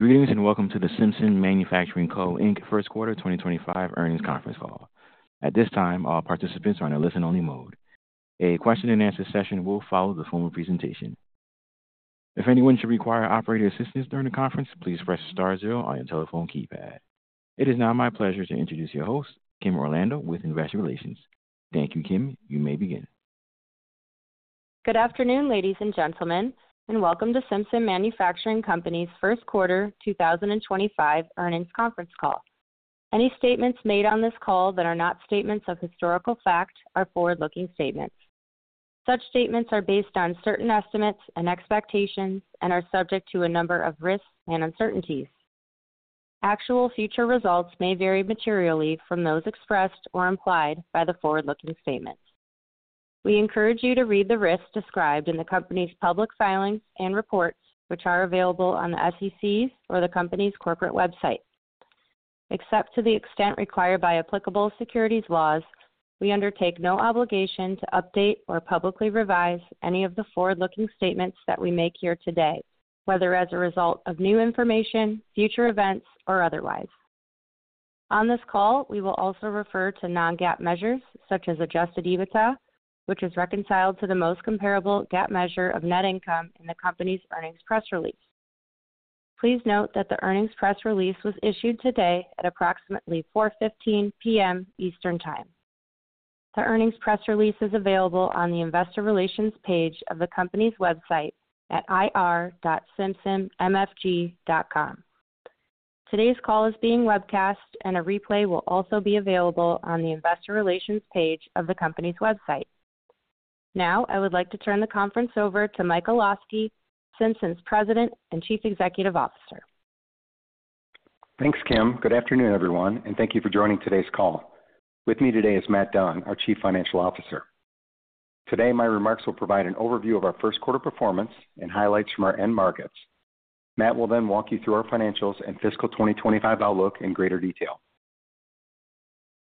Greetings and welcome to the Simpson Manufacturing Co. First Quarter 2025 earnings conference call. At this time, all participants are in a listen-only mode. A question-and-answer session will follow the formal presentation. If anyone should require operator assistance during the conference, please press star zero on your telephone keypad. It is now my pleasure to introduce your host, Kim Orlando, with Investor Relations. Thank you, Kim. You may begin. Good afternoon, ladies and gentlemen, and welcome to Simpson Manufacturing Company's First Quarter 2025 earnings conference call. Any statements made on this call that are not statements of historical fact are forward-looking statements. Such statements are based on certain estimates and expectations and are subject to a number of risks and uncertainties. Actual future results may vary materially from those expressed or implied by the forward-looking statement. We encourage you to read the risks described in the company's public filings and reports, which are available on the SEC's or the company's corporate website. Except to the extent required by applicable securities laws, we undertake no obligation to update or publicly revise any of the forward-looking statements that we make here today, whether as a result of new information, future events, or otherwise. On this call, we will also refer to non-GAAP measures such as adjusted EBITDA, which is reconciled to the most comparable GAAP measure of net income in the company's earnings press release. Please note that the earnings press release was issued today at approximately 4:15 P.M. Eastern Time. The earnings press release is available on the Investor Relations page of the company's website at ir.simpsonmfg.com. Today's call is being webcast, and a replay will also be available on the Investor Relations page of the company's website. Now, I would like to turn the conference over to Mike Olosky, Simpson's President and Chief Executive Officer. Thanks, Kim. Good afternoon, everyone, and thank you for joining today's call. With me today is Matt Dunn, our Chief Financial Officer. Today, my remarks will provide an overview of our first quarter performance and highlights from our end markets. Matt will then walk you through our financials and fiscal 2025 outlook in greater detail.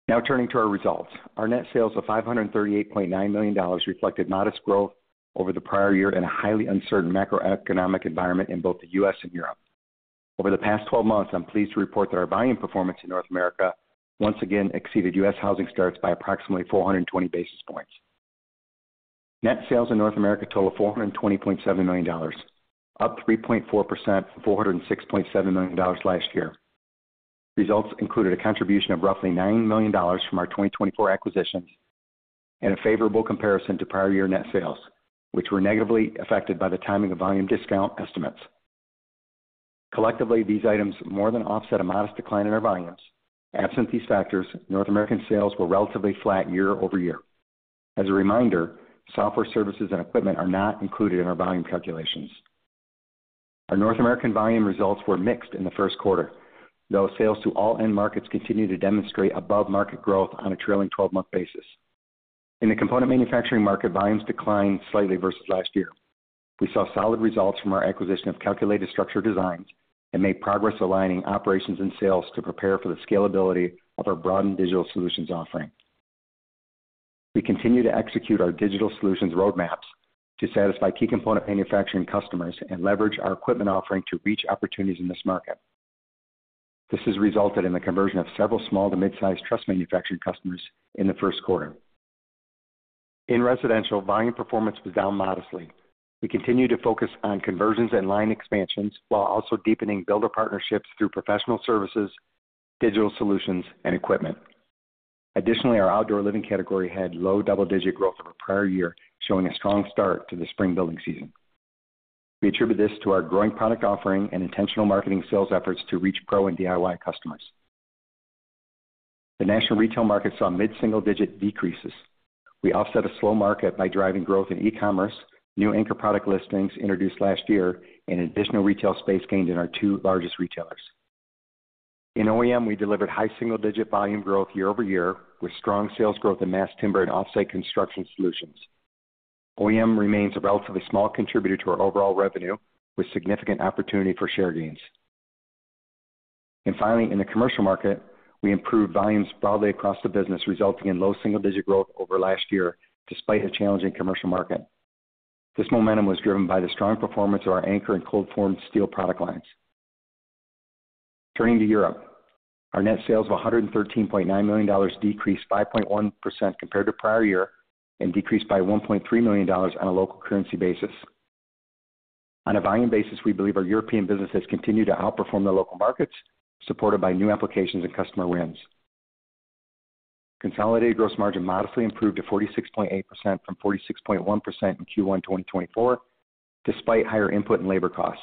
Now, turning to our results, our net sales of $538.9 million reflected modest growth over the prior year in a highly uncertain macroeconomic environment in both the U.S. and Europe. Over the past 12 months, I'm pleased to report that our volume performance in North America once again exceeded U.S. housing starts by approximately 420 basis points. Net sales in North America total $420.7 million, up 3.4% from $406.7 million last year. Results included a contribution of roughly $9 million from our 2024 acquisitions and a favorable comparison to prior year net sales, which were negatively affected by the timing of volume discount estimates. Collectively, these items more than offset a modest decline in our volumes. Absent these factors, North American sales were relatively flat year over year. As a reminder, software services and equipment are not included in our volume calculations. Our North American volume results were mixed in the first quarter, though sales to all end markets continued to demonstrate above-market growth on a trailing 12-month basis. In the component manufacturing market, volumes declined slightly versus last year. We saw solid results from our acquisition of Calculated Structured Designs and made progress aligning operations and sales to prepare for the scalability of our broadened digital solutions offering. We continue to execute our digital solutions roadmaps to satisfy key component manufacturing customers and leverage our equipment offering to reach opportunities in this market. This has resulted in the conversion of several small to mid-sized truss manufacturing customers in the first quarter. In residential, volume performance was down modestly. We continue to focus on conversions and line expansions while also deepening builder partnerships through professional services, digital solutions, and equipment. Additionally, our outdoor living category had low double-digit growth over the prior year, showing a strong start to the spring building season. We attribute this to our growing product offering and intentional marketing sales efforts to reach pro and DIY customers. The national retail market saw mid-single-digit decreases. We offset a slow market by driving growth in e-commerce, new anchor product listings introduced last year, and additional retail space gained in our two largest retailers. In OEM, we delivered high single-digit volume growth year over year with strong sales growth in mass timber and off-site construction solutions. OEM remains a relatively small contributor to our overall revenue, with significant opportunity for share gains. Finally, in the commercial market, we improved volumes broadly across the business, resulting in low single-digit growth over last year despite a challenging commercial market. This momentum was driven by the strong performance of our anchor and cold-formed steel product lines. Turning to Europe, our net sales of $113.9 million decreased 5.1% compared to prior year and decreased by $1.3 million on a local currency basis. On a volume basis, we believe our European business has continued to outperform the local markets, supported by new applications and customer wins. Consolidated gross margin modestly improved to 46.8% from 46.1% in Q1 2024, despite higher input and labor costs.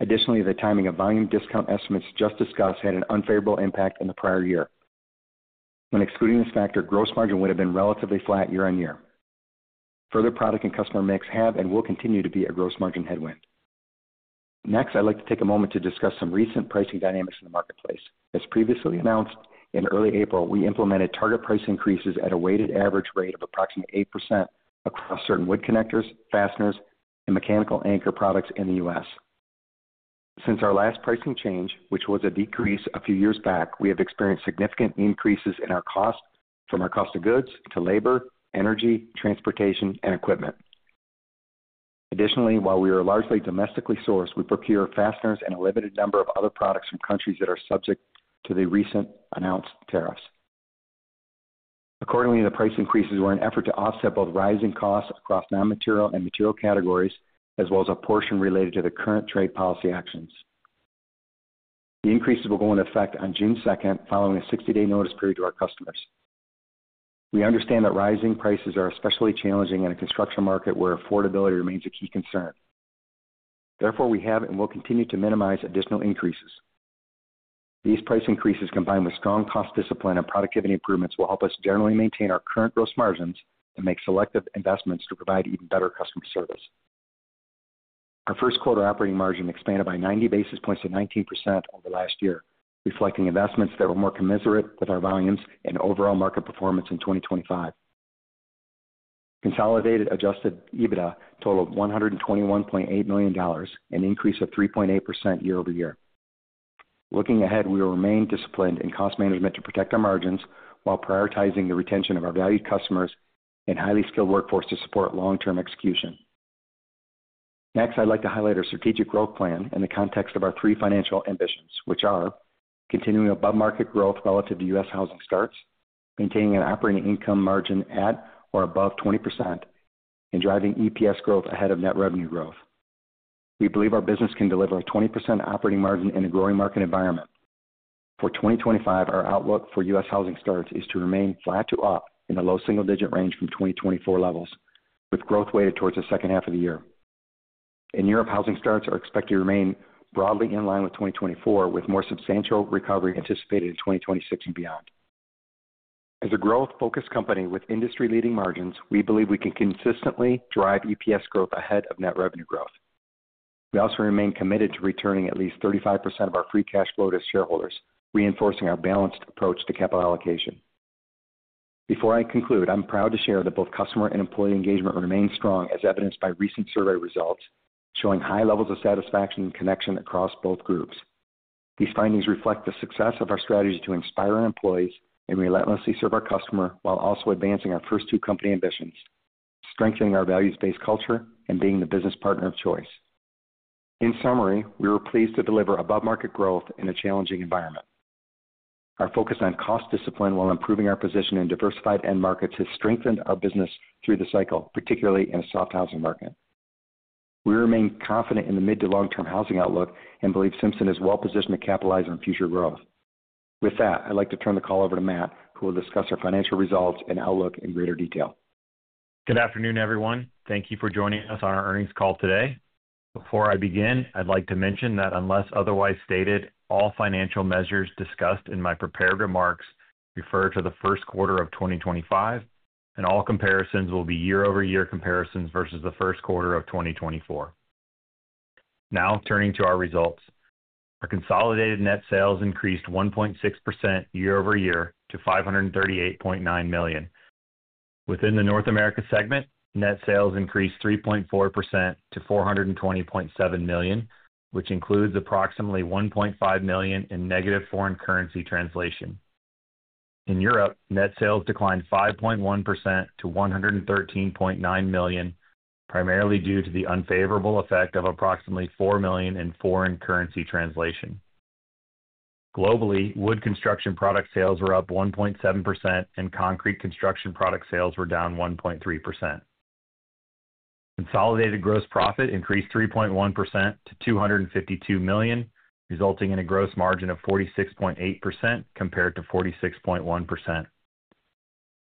Additionally, the timing of volume discount estimates just discussed had an unfavorable impact in the prior year. When excluding this factor, gross margin would have been relatively flat year on year. Further, product and customer mix have and will continue to be a gross margin headwind. Next, I'd like to take a moment to discuss some recent pricing dynamics in the marketplace. As previously announced, in early April, we implemented target price increases at a weighted average rate of approximately 8% across certain wood connectors, fasteners, and mechanical anchor products in the U.S. Since our last pricing change, which was a decrease a few years back, we have experienced significant increases in our cost from our cost of goods to labor, energy, transportation, and equipment. Additionally, while we are largely domestically sourced, we procure fasteners and a limited number of other products from countries that are subject to the recent announced tariffs. Accordingly, the price increases were an effort to offset both rising costs across non-material and material categories, as well as a portion related to the current trade policy actions. The increases will go into effect on June 2, following a 60-day notice period to our customers. We understand that rising prices are especially challenging in a construction market where affordability remains a key concern. Therefore, we have and will continue to minimize additional increases. These price increases, combined with strong cost discipline and productivity improvements, will help us generally maintain our current gross margins and make selective investments to provide even better customer service. Our first quarter operating margin expanded by 90 basis points to 19% over last year, reflecting investments that were more commensurate with our volumes and overall market performance in 2025. Consolidated adjusted EBITDA totaled $121.8 million and increased by 3.8% year over year. Looking ahead, we will remain disciplined in cost management to protect our margins while prioritizing the retention of our valued customers and highly skilled workforce to support long-term execution. Next, I'd like to highlight our strategic growth plan in the context of our three financial ambitions, which are continuing above-market growth relative to U.S. housing starts, maintaining an operating income margin at or above 20%, and driving EPS growth ahead of net revenue growth. We believe our business can deliver a 20% operating margin in a growing market environment. For 2025, our outlook for U.S. Housing starts is to remain flat to up in the low single-digit range from 2024 levels, with growth weighted towards the second half of the year. In Europe, housing starts are expected to remain broadly in line with 2024, with more substantial recovery anticipated in 2026 and beyond. As a growth-focused company with industry-leading margins, we believe we can consistently drive EPS growth ahead of net revenue growth. We also remain committed to returning at least 35% of our free cash flow to shareholders, reinforcing our balanced approach to capital allocation. Before I conclude, I'm proud to share that both customer and employee engagement remains strong, as evidenced by recent survey results showing high levels of satisfaction and connection across both groups. These findings reflect the success of our strategy to inspire our employees and relentlessly serve our customer while also advancing our first two company ambitions, strengthening our values-based culture and being the business partner of choice. In summary, we were pleased to deliver above-market growth in a challenging environment. Our focus on cost discipline while improving our position in diversified end markets has strengthened our business through the cycle, particularly in a soft housing market. We remain confident in the mid- to long-term housing outlook and believe Simpson is well-positioned to capitalize on future growth. With that, I'd like to turn the call over to Matt, who will discuss our financial results and outlook in greater detail. Good afternoon, everyone. Thank you for joining us on our earnings call today. Before I begin, I'd like to mention that unless otherwise stated, all financial measures discussed in my prepared remarks refer to the first quarter of 2025, and all comparisons will be year-over-year comparisons versus the first quarter of 2024. Now, turning to our results, our consolidated net sales increased 1.6% year over year to $538.9 million. Within the North America segment, net sales increased 3.4% to $420.7 million, which includes approximately $1.5 million in negative foreign currency translation. In Europe, net sales declined 5.1% to $113.9 million, primarily due to the unfavorable effect of approximately $4 million in foreign currency translation. Globally, wood construction product sales were up 1.7%, and concrete construction product sales were down 1.3%. Consolidated gross profit increased 3.1% to $252 million, resulting in a gross margin of 46.8% compared to 46.1%.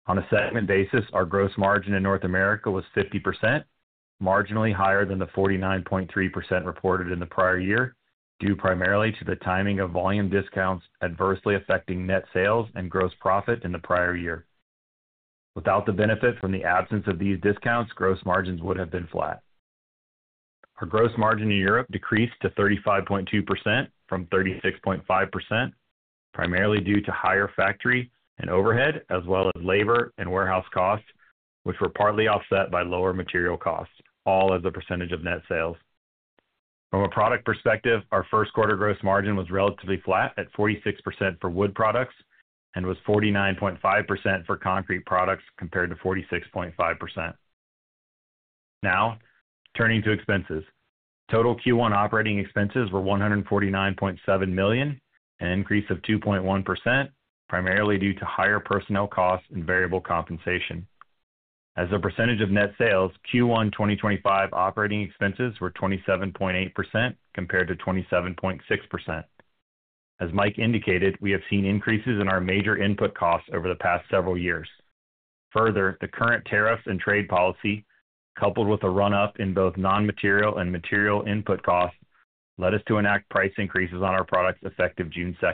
On a segment basis, our gross margin in North America was 50%, marginally higher than the 49.3% reported in the prior year, due primarily to the timing of volume discounts adversely affecting net sales and gross profit in the prior year. Without the benefit from the absence of these discounts, gross margins would have been flat. Our gross margin in Europe decreased to 35.2% from 36.5%, primarily due to higher factory and overhead, as well as labor and warehouse costs, which were partly offset by lower material costs, all as a percentage of net sales. From a product perspective, our first quarter gross margin was relatively flat at 46% for wood products and was 49.5% for concrete products compared to 46.5%. Now, turning to expenses, total Q1 operating expenses were $149.7 million, an increase of 2.1%, primarily due to higher personnel costs and variable compensation. As a percentage of net sales, Q1 2025 operating expenses were 27.8% compared to 27.6%. As Mike indicated, we have seen increases in our major input costs over the past several years. Further, the current tariffs and trade policy, coupled with a run-up in both non-material and material input costs, led us to enact price increases on our products effective June 2,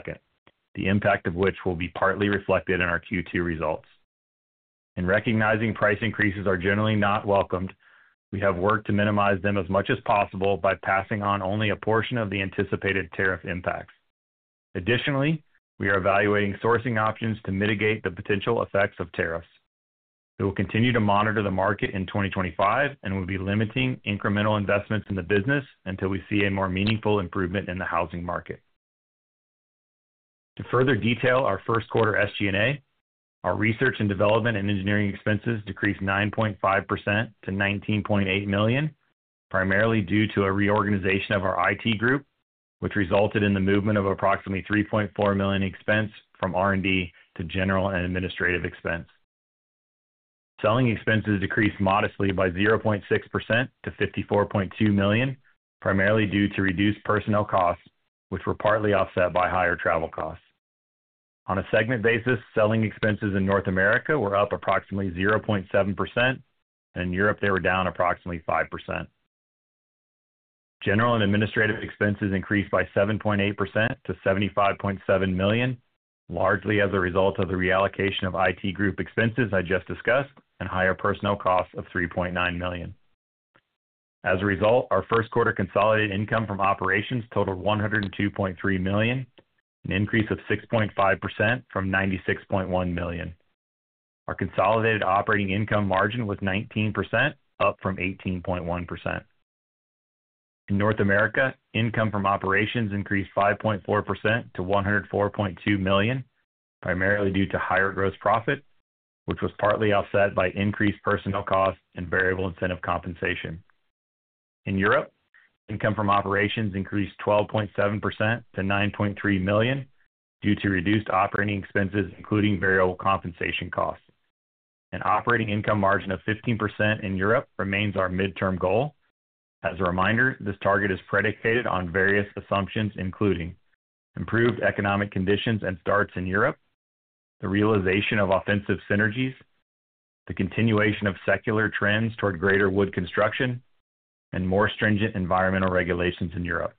the impact of which will be partly reflected in our Q2 results. In recognizing price increases are generally not welcomed, we have worked to minimize them as much as possible by passing on only a portion of the anticipated tariff impacts. Additionally, we are evaluating sourcing options to mitigate the potential effects of tariffs. We will continue to monitor the market in 2025 and will be limiting incremental investments in the business until we see a more meaningful improvement in the housing market. To further detail our first quarter SG&A, our research and development and engineering expenses decreased 9.5% to $19.8 million, primarily due to a reorganization of our IT group, which resulted in the movement of approximately $3.4 million in expense from R&D to general and administrative expense. Selling expenses decreased modestly by 0.6% to $54.2 million, primarily due to reduced personnel costs, which were partly offset by higher travel costs. On a segment basis, selling expenses in North America were up approximately 0.7%, and in Europe, they were down approximately 5%. General and administrative expenses increased by 7.8% to $75.7 million, largely as a result of the reallocation of IT group expenses I just discussed and higher personnel costs of $3.9 million. As a result, our first quarter consolidated income from operations totaled $102.3 million, an increase of 6.5% from $96.1 million. Our consolidated operating income margin was 19%, up from 18.1%. In North America, income from operations increased 5.4% to $104.2 million, primarily due to higher gross profit, which was partly offset by increased personnel costs and variable incentive compensation. In Europe, income from operations increased 12.7% to $9.3 million due to reduced operating expenses, including variable compensation costs. An operating income margin of 15% in Europe remains our midterm goal. As a reminder, this target is predicated on various assumptions, including improved economic conditions and starts in Europe, the realization of offensive synergies, the continuation of secular trends toward greater wood construction, and more stringent environmental regulations in Europe.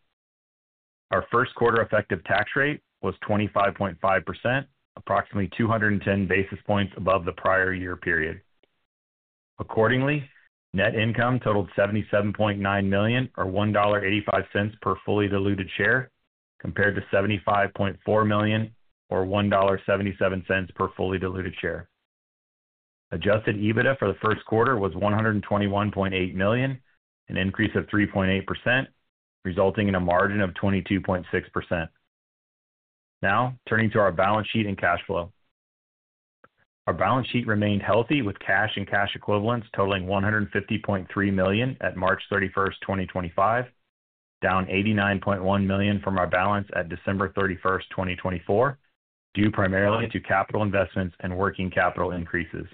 Our first quarter effective tax rate was 25.5%, approximately 210 basis points above the prior year period. Accordingly, net income totaled $77.9 million, or $1.85 per fully diluted share, compared to $75.4 million, or $1.77 per fully diluted share. Adjusted EBITDA for the first quarter was $121.8 million, an increase of 3.8%, resulting in a margin of 22.6%. Now, turning to our balance sheet and cash flow. Our balance sheet remained healthy, with cash and cash equivalents totaling $150.3 million at March 31, 2025, down $89.1 million from our balance at December 31, 2024, due primarily to capital investments and working capital increases.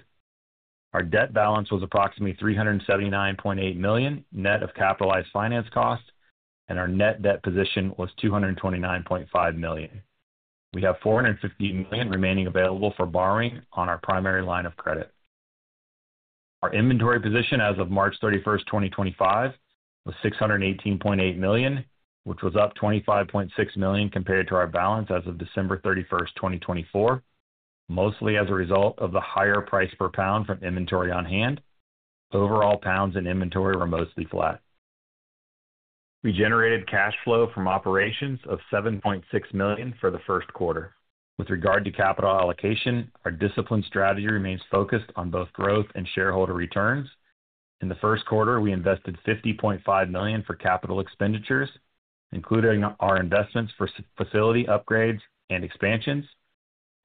Our debt balance was approximately $379.8 million net of capitalized finance costs, and our net debt position was $229.5 million. We have $450 million remaining available for borrowing on our primary line of credit. Our inventory position as of March 31, 2025, was $618.8 million, which was up $25.6 million compared to our balance as of December 31, 2024, mostly as a result of the higher price per pound from inventory on hand. Overall, pounds in inventory were mostly flat. We generated cash flow from operations of $7.6 million for the first quarter. With regard to capital allocation, our discipline strategy remains focused on both growth and shareholder returns. In the first quarter, we invested $50.5 million for capital expenditures, including our investments for facility upgrades and expansions,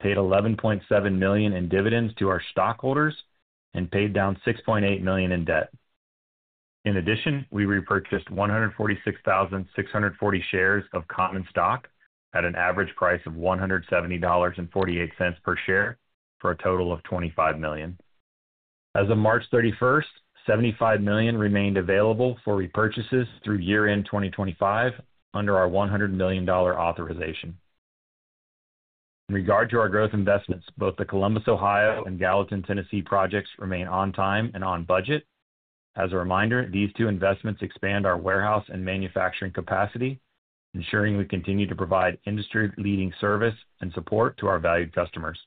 paid $11.7 million in dividends to our stockholders, and paid down $6.8 million in debt. In addition, we repurchased 146,640 shares of common stock at an average price of $170.48 per share for a total of $25 million. As of March 31, $75 million remained available for repurchases through year-end 2025 under our $100 million authorization. In regard to our growth investments, both the Columbus, Ohio, and Gallatin, Tennessee projects remain on time and on budget. As a reminder, these two investments expand our warehouse and manufacturing capacity, ensuring we continue to provide industry-leading service and support to our valued customers.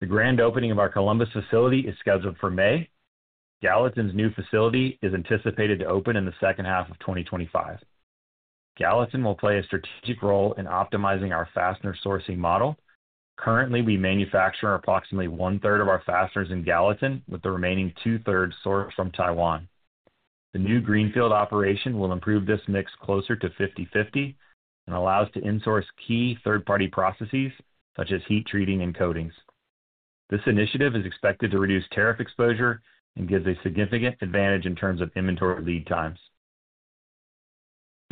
The grand opening of our Columbus facility is scheduled for May. Gallatin's new facility is anticipated to open in the second half of 2025. Gallatin will play a strategic role in optimizing our fastener sourcing model. Currently, we manufacture approximately one-third of our fasteners in Gallatin, with the remaining two-thirds sourced from Taiwan. The new greenfield operation will improve this mix closer to 50/50 and allow us to insource key third-party processes such as heat treating and coatings. This initiative is expected to reduce tariff exposure and gives a significant advantage in terms of inventory lead times.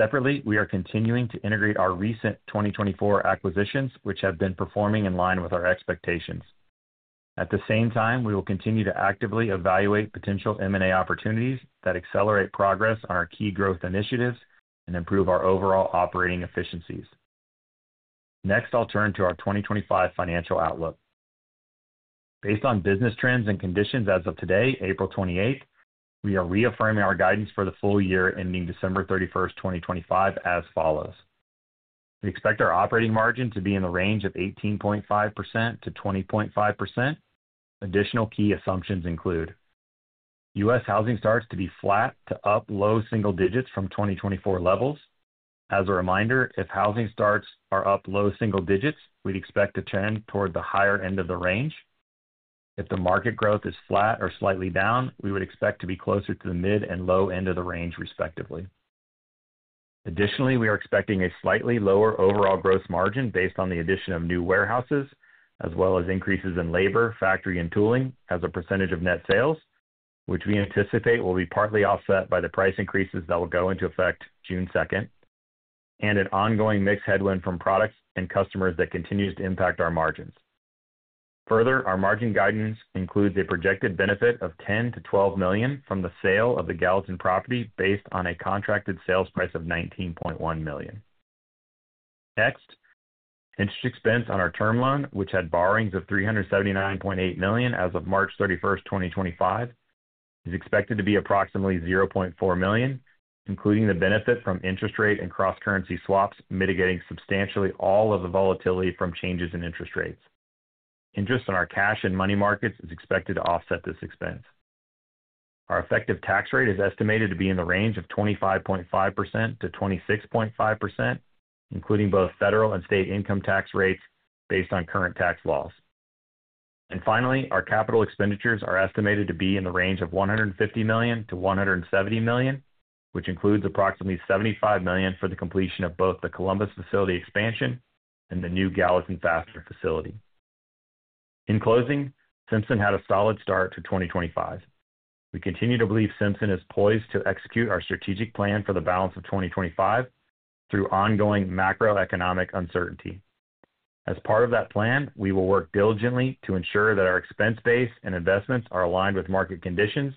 Separately, we are continuing to integrate our recent 2024 acquisitions, which have been performing in line with our expectations. At the same time, we will continue to actively evaluate potential M&A opportunities that accelerate progress on our key growth initiatives and improve our overall operating efficiencies. Next, I'll turn to our 2025 financial outlook. Based on business trends and conditions as of today, April 28, we are reaffirming our guidance for the full year ending December 31, 2025, as follows. We expect our operating margin to be in the range of 18.5%-20.5%. Additional key assumptions include U.S. housing starts to be flat to up low single digits from 2024 levels. As a reminder, if housing starts are up low single digits, we'd expect to trend toward the higher end of the range. If the market growth is flat or slightly down, we would expect to be closer to the mid and low end of the range, respectively. Additionally, we are expecting a slightly lower overall gross margin based on the addition of new warehouses, as well as increases in labor, factory, and tooling as a percentage of net sales, which we anticipate will be partly offset by the price increases that will go into effect June 2, and an ongoing mix headwind from products and customers that continues to impact our margins. Further, our margin guidance includes a projected benefit of $10 million-$12 million from the sale of the Gallatin property based on a contracted sales price of $19.1 million. Next, interest expense on our term loan, which had borrowings of $379.8 million as of March 31, 2025, is expected to be approximately $0.4 million, including the benefit from interest rate and cross-currency swaps, mitigating substantially all of the volatility from changes in interest rates. Interest on our cash and money markets is expected to offset this expense. Our effective tax rate is estimated to be in the range of 25.5%-26.5%, including both federal and state income tax rates based on current tax laws. Finally, our capital expenditures are estimated to be in the range of $150 million-$170 million, which includes approximately $75 million for the completion of both the Columbus facility expansion and the new Gallatin fastener facility. In closing, Simpson had a solid start to 2025. We continue to believe Simpson is poised to execute our strategic plan for the balance of 2025 through ongoing macroeconomic uncertainty. As part of that plan, we will work diligently to ensure that our expense base and investments are aligned with market conditions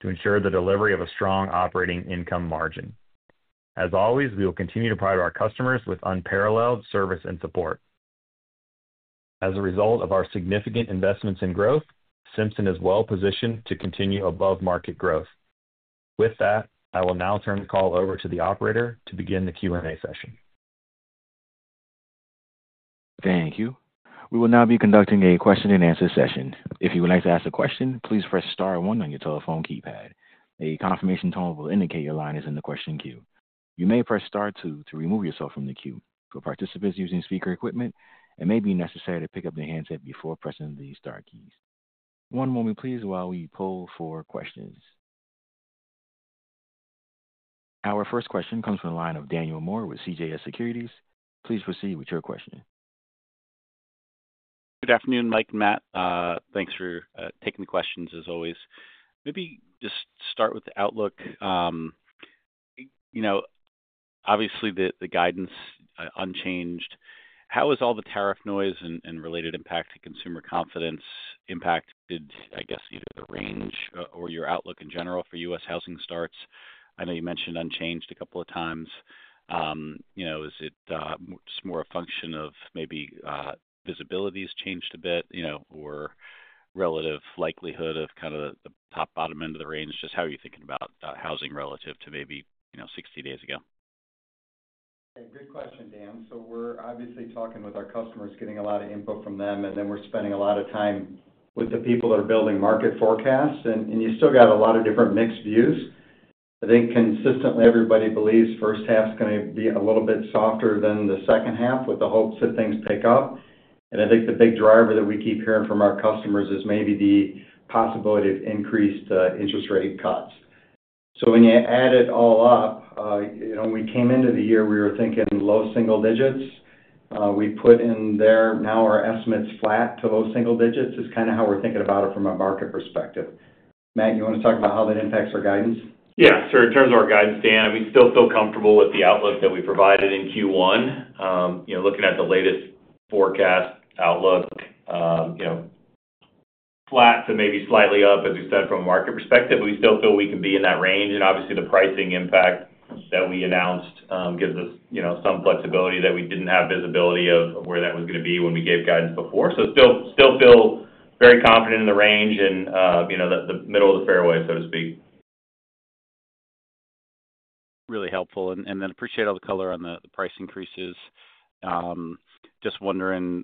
to ensure the delivery of a strong operating income margin. As always, we will continue to provide our customers with unparalleled service and support. As a result of our significant investments in growth, Simpson is well positioned to continue above market growth. With that, I will now turn the call over to the operator to begin the Q&A session. Thank you. We will now be conducting a question-and-answer session. If you would like to ask a question, please press Star one on your telephone keypad. A confirmation tone will indicate your line is in the question queue. You may press Star 2 to remove yourself from the queue. For participants using speaker equipment, it may be necessary to pick up their handset before pressing the Star keys. One moment, please, while we poll for questions. Our first question comes from the line of Daniel Moore with CJS Securities. Please proceed with your question. Good afternoon, Mike and Matt. Thanks for taking the questions, as always. Maybe just start with the outlook. Obviously, the guidance unchanged. How has all the tariff noise and related impact to consumer confidence impacted, I guess, either the range or your outlook in general for U.S. housing starts? I know you mentioned unchanged a couple of times. Is it just more a function of maybe visibility has changed a bit or relative likelihood of kind of the top, bottom end of the range? Just how are you thinking about housing relative to maybe 60 days ago? Good question, Dan. We're obviously talking with our customers, getting a lot of input from them, and then we're spending a lot of time with the people that are building market forecasts. You still got a lot of different mixed views. I think consistently, everybody believes the first half is going to be a little bit softer than the second half, with the hopes that things pick up. I think the big driver that we keep hearing from our customers is maybe the possibility of increased interest rate cuts. When you add it all up, when we came into the year, we were thinking low single digits. We put in there now our estimates flat to low single digits is kind of how we're thinking about it from a market perspective. Matt, you want to talk about how that impacts our guidance? Yeah. In terms of our guidance, Dan, we still feel comfortable with the outlook that we provided in Q1. Looking at the latest forecast outlook, flat to maybe slightly up, as we said, from a market perspective, we still feel we can be in that range. Obviously, the pricing impact that we announced gives us some flexibility that we did not have visibility of where that was going to be when we gave guidance before. Still feel very confident in the range and the middle of the fairway, so to speak. Really helpful. I appreciate all the color on the price increases. Just wondering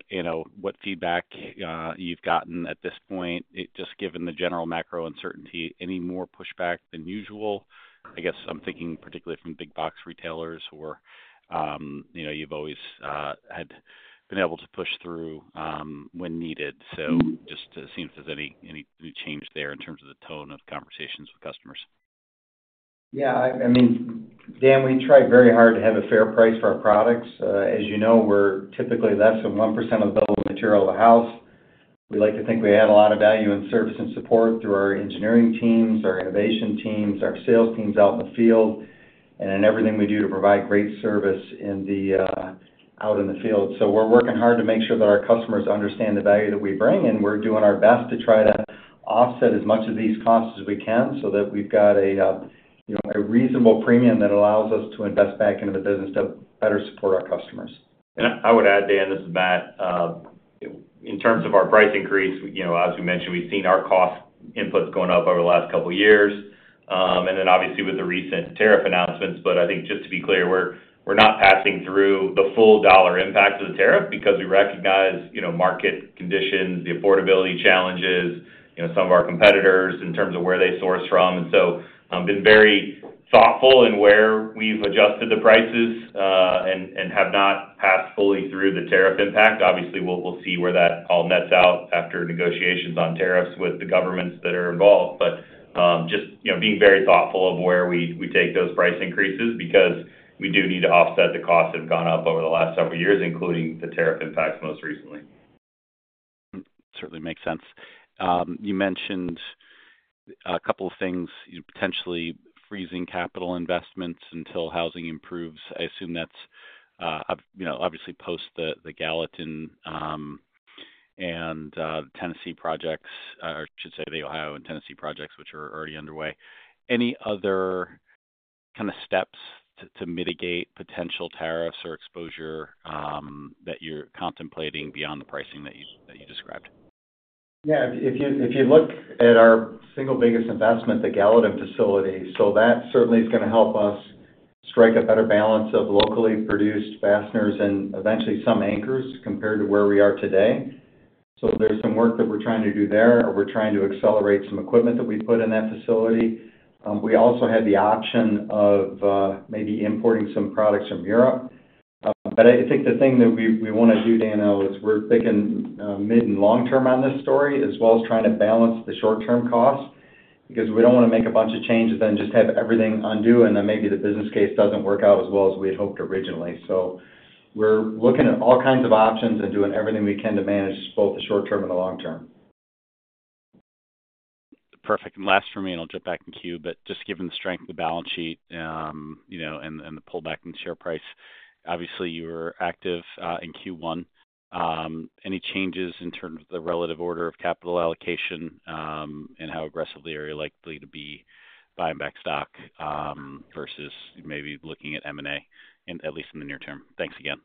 what feedback you have gotten at this point, just given the general macro uncertainty, any more pushback than usual? I guess I am thinking particularly from big-box retailers who you have always been able to push through when needed. Just to see if there is any change there in terms of the tone of conversations with customers. Yeah. I mean, Dan, we try very hard to have a fair price for our products. As you know, we are typically less than 1% of the available material in the house. We like to think we add a lot of value in service and support through our engineering teams, our innovation teams, our sales teams out in the field, and in everything we do to provide great service out in the field. We are working hard to make sure that our customers understand the value that we bring, and we are doing our best to try to offset as much of these costs as we can so that we have got a reasonable premium that allows us to invest back into the business to better support our customers. I would add, Dan, this is Matt. In terms of our price increase, as we mentioned, we have seen our cost inputs going up over the last couple of years. Obviously with the recent tariff announcements, I think just to be clear, we're not passing through the full dollar impact of the tariff because we recognize market conditions, the affordability challenges, some of our competitors in terms of where they source from. I have been very thoughtful in where we've adjusted the prices and have not passed fully through the tariff impact. Obviously, we'll see where that all nets out after negotiations on tariffs with the governments that are involved. Just being very thoughtful of where we take those price increases because we do need to offset the costs that have gone up over the last several years, including the tariff impacts most recently. Certainly makes sense. You mentioned a couple of things, potentially freezing capital investments until housing improves. I assume that's obviously post the Gallatin and Tennessee projects, or I should say the Ohio and Tennessee projects, which are already underway. Any other kind of steps to mitigate potential tariffs or exposure that you're contemplating beyond the pricing that you described? Yeah. If you look at our single biggest investment, the Gallatin facility, that certainly is going to help us strike a better balance of locally produced fasteners and eventually some anchors compared to where we are today. There's some work that we're trying to do there, or we're trying to accelerate some equipment that we put in that facility. We also have the option of maybe importing some products from Europe. I think the thing that we want to do, Daniel, is we're thinking mid and long-term on this story, as well as trying to balance the short-term cost because we don't want to make a bunch of changes and then just have everything undo and then maybe the business case doesn't work out as well as we had hoped originally. We are looking at all kinds of options and doing everything we can to manage both the short-term and the long-term. Perfect. Last for me, and I'll jump back in queue, but just given the strength of the balance sheet and the pullback in share price, obviously you were active in Q1. Any changes in terms of the relative order of capital allocation and how aggressively are you likely to be buying back stock versus maybe looking at M&A, at least in the near term? Thanks again.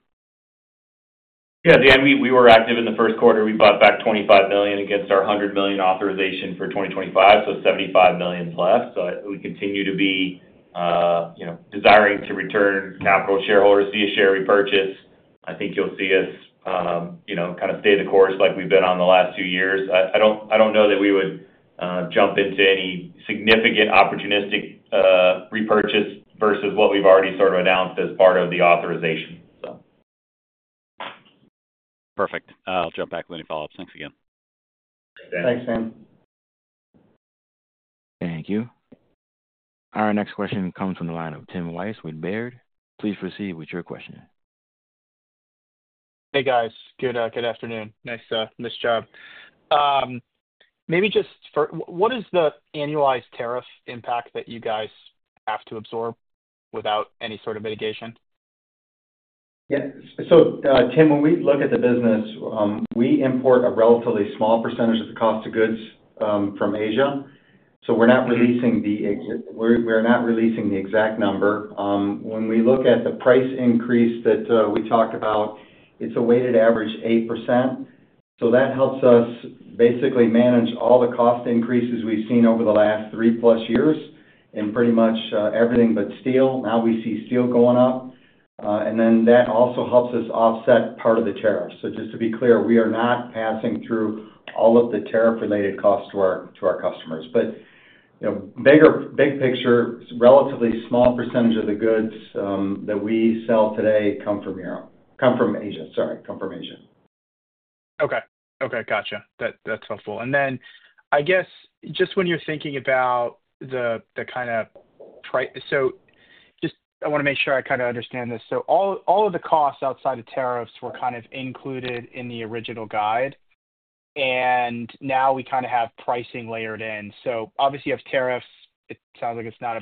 Yeah. Dan, we were active in the first quarter. We bought back $25 million against our $100 million authorization for 2025, so $75 million left. We continue to be desiring to return capital to shareholders, see a share repurchase. I think you'll see us kind of stay the course like we've been on the last two years. I don't know that we would jump into any significant opportunistic repurchase versus what we've already sort of announced as part of the authorization. Perfect. I'll jump back with any follow-ups. Thanks again. Thanks, Dan. Thanks, Dan. Thank you. Our next question comes from the line of Tim Wojs with Baird. Please proceed with your question. Hey, guys. Good afternoon. Nice job. Maybe just for what is the annualized tariff impact that you guys have to absorb without any sort of mitigation? Yeah. Tim, when we look at the business, we import a relatively small percentage of the cost of goods from Asia. We are not releasing the exact number. When we look at the price increase that we talked about, it is a weighted average 8%. That helps us basically manage all the cost increases we have seen over the last three-plus years in pretty much everything but steel. Now we see steel going up. That also helps us offset part of the tariffs. Just to be clear, we are not passing through all of the tariff-related costs to our customers. Big picture, a relatively small percentage of the goods that we sell today come from Asia. Okay. Gotcha. That is helpful. I guess just when you're thinking about the kind of, just, I want to make sure I kind of understand this. All of the costs outside of tariffs were kind of included in the original guide. Now we kind of have pricing layered in. Obviously, you have tariffs. It sounds like it's not a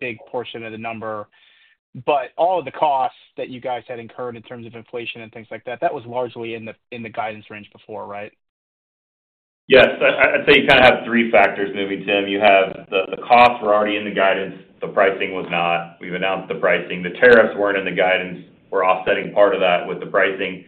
big portion of the number. All of the costs that you guys had incurred in terms of inflation and things like that, that was largely in the guidance range before, right? Yes. I'd say you kind of have three factors moving, Tim. You have the costs were already in the guidance. The pricing was not. We've announced the pricing. The tariffs were not in the guidance. We're offsetting part of that with the pricing.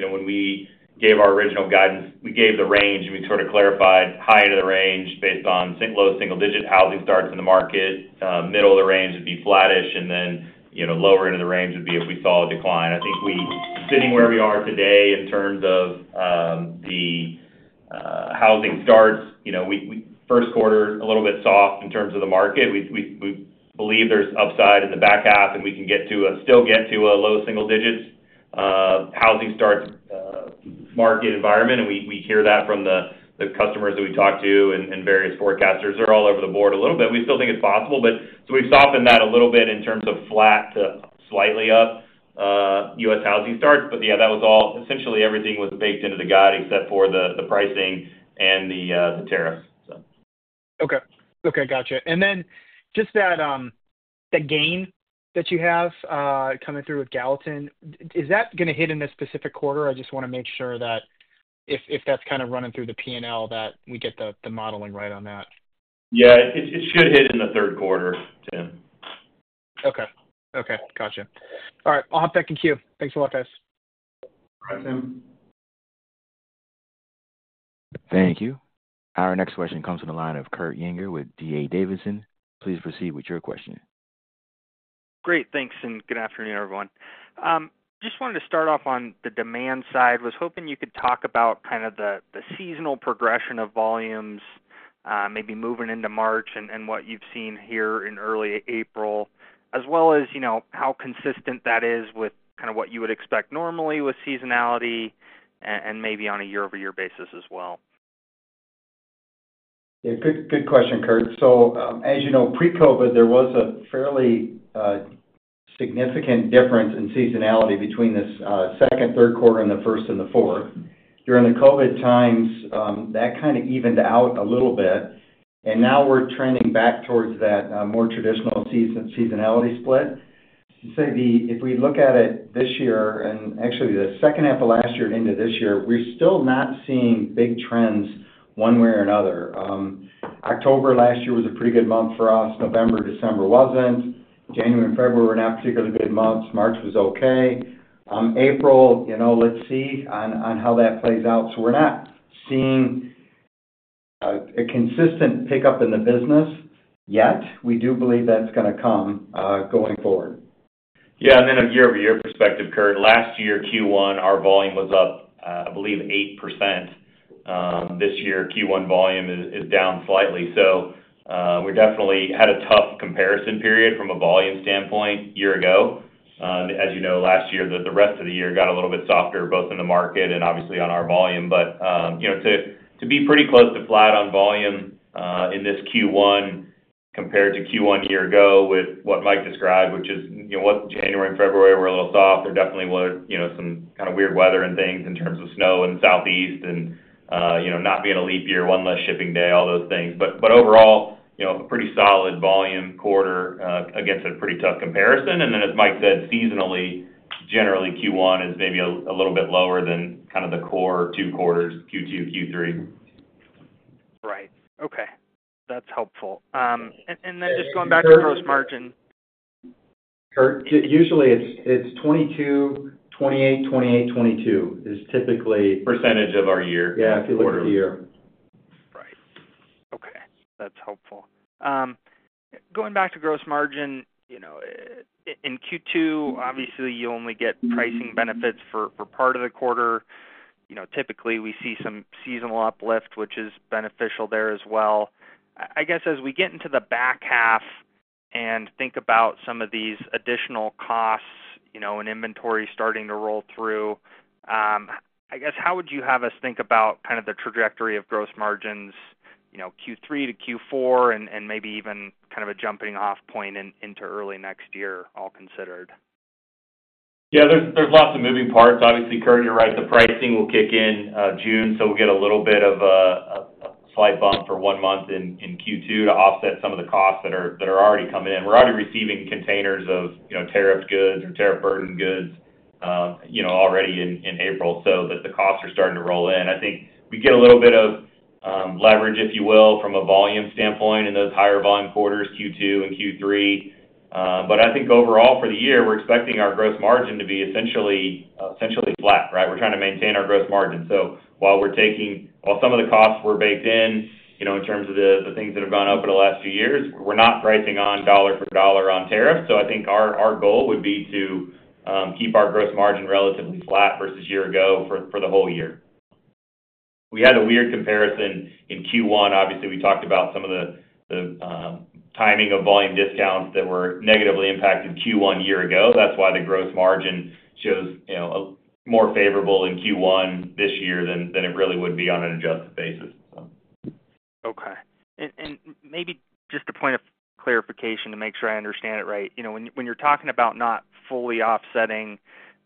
When we gave our original guidance, we gave the range, and we sort of clarified high into the range based on low single-digit housing starts in the market. Middle of the range would be flattish, and then lower into the range would be if we saw a decline. I think sitting where we are today in terms of the housing starts, first quarter, a little bit soft in terms of the market. We believe there is upside in the back half, and we can still get to a low single-digit housing starts market environment. We hear that from the customers that we talk to and various forecasters. They are all over the board a little bit. We still think it is possible. We have softened that a little bit in terms of flat to slightly up U.S. housing starts. Yeah, that was all essentially everything was baked into the guide except for the pricing and the tariffs. Okay. Okay. Gotcha. And then just that gain that you have coming through with Gallatin, is that going to hit in a specific quarter? I just want to make sure that if that's kind of running through the P&L, that we get the modeling right on that. Yeah. It should hit in the third quarter, Tim. Okay. Okay. Gotcha. All right. I'll hop back in queue. Thanks a lot, guys. All right, Tim. Thank you. Our next question comes from the line of Kurt Yinger with D.A. Davidson. Please proceed with your question. Great. Thanks. And good afternoon, everyone. Just wanted to start off on the demand side. Was hoping you could talk about kind of the seasonal progression of volumes, maybe moving into March and what you've seen here in early April, as well as how consistent that is with kind of what you would expect normally with seasonality and maybe on a year-over-year basis as well. Yeah. Good question, Kurt. As you know, pre-COVID, there was a fairly significant difference in seasonality between the second, third quarter, and the first and the fourth. During the COVID times, that kind of evened out a little bit. Now we're trending back towards that more traditional seasonality split. If we look at it this year, and actually the second half of last year into this year, we're still not seeing big trends one way or another. October last year was a pretty good month for us. November, December was not. January and February were not particularly good months. March was okay. April, let's see how that plays out. We're not seeing a consistent pickup in the business yet. We do believe that's going to come going forward. Yeah. From a year-over-year perspective, Kurt, last year, Q1, our volume was up, I believe, 8%. This year, Q1 volume is down slightly. We definitely had a tough comparison period from a volume standpoint a year ago. As you know, last year, the rest of the year got a little bit softer, both in the market and obviously on our volume. To be pretty close to flat on volume in this Q1 compared to Q1 a year ago with what Mike described, which is January and February were a little soft. There definitely were some kind of weird weather and things in terms of snow in the Southeast and not being a leap year, one less shipping day, all those things. Overall, a pretty solid volume quarter against a pretty tough comparison. As Mike said, seasonally, generally, Q1 is maybe a little bit lower than kind of the core two quarters, Q2, Q3. Right. Okay. That's helpful. Going back to gross margin. Kurt, usually it's 22, 28, 28, 22 is typically percentage of our year. Yeah. I feel like it's a year. Right. Okay. That's helpful. Going back to gross margin, in Q2, obviously, you only get pricing benefits for part of the quarter. Typically, we see some seasonal uplift, which is beneficial there as well. I guess as we get into the back half and think about some of these additional costs and inventory starting to roll through, I guess how would you have us think about kind of the trajectory of gross margins Q3 to Q4 and maybe even kind of a jumping-off point into early next year, all considered? Yeah. There's lots of moving parts. Obviously, Kurt, you're right. The pricing will kick in June, so we'll get a little bit of a slight bump for one month in Q2 to offset some of the costs that are already coming in. We're already receiving containers of tariff goods or tariff-burdened goods already in April so that the costs are starting to roll in. I think we get a little bit of leverage, if you will, from a volume standpoint in those higher volume quarters, Q2 and Q3. I think overall for the year, we're expecting our gross margin to be essentially flat, right? We're trying to maintain our gross margin. While some of the costs were baked in in terms of the things that have gone up in the last few years, we're not pricing on dollar for dollar on tariff. I think our goal would be to keep our gross margin relatively flat versus year ago for the whole year. We had a weird comparison in Q1. Obviously, we talked about some of the timing of volume discounts that negatively impacted Q1 year ago. That's why the gross margin shows more favorable in Q1 this year than it really would be on an adjusted basis. Okay. Maybe just a point of clarification to make sure I understand it right. When you're talking about not fully offsetting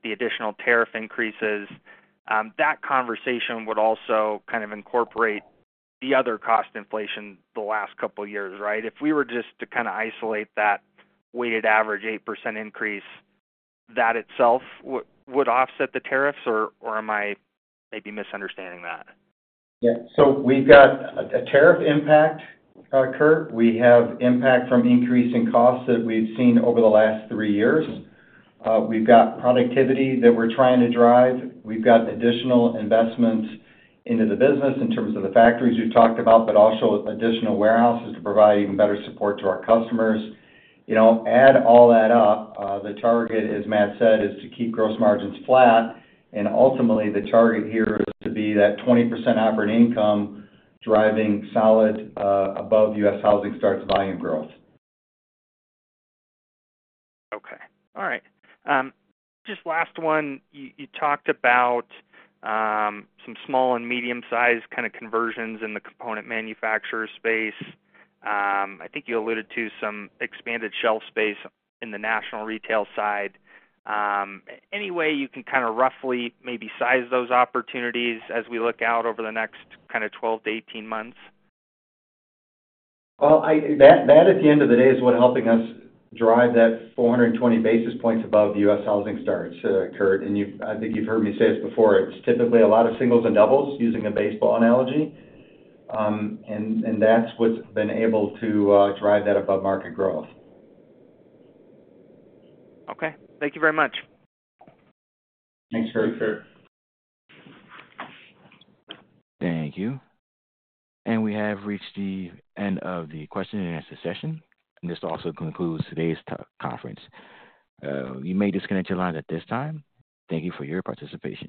the additional tariff increases, that conversation would also kind of incorporate the other cost inflation the last couple of years, right? If we were just to kind of isolate that weighted average 8% increase, that itself would offset the tariffs, or am I maybe misunderstanding that? Yeah. We have got a tariff impact, Kurt. We have impact from increasing costs that we've seen over the last three years. We've got productivity that we're trying to drive. We've got additional investments into the business in terms of the factories we've talked about, but also additional warehouses to provide even better support to our customers. Add all that up, the target, as Matt said, is to keep gross margins flat. Ultimately, the target here is to be that 20% operating income driving solid above U.S. housing starts volume growth. Okay. All right. Just last one. You talked about some small and medium-sized kind of conversions in the component manufacturer space. I think you alluded to some expanded shelf space in the national retail side. Any way you can kind of roughly maybe size those opportunities as we look out over the next kind of 12 to 18 months? That at the end of the day is what's helping us drive that 420 basis points above U.S. housing starts, Kurt. I think you've heard me say this before. It's typically a lot of singles and doubles using a baseball analogy. That's what's been able to drive that above market growth. Okay. Thank you very much. Thanks, Kurt. Thank you. We have reached the end of the question-and-answer session. This also concludes today's conference. You may disconnect your line at this time. Thank you for your participation.